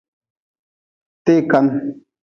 Tee kan.